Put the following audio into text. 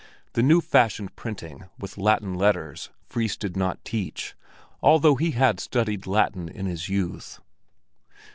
The new fashioned printing with Latin letters Fris did not teach, although he had studied Latin in his youth.